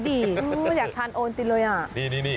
จริงเหมือนอยากชาญโอเวนตินเลย